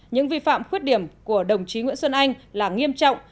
những vi phạm khuyết điểm của đồng chí nguyễn xuân anh là nghiêm trọng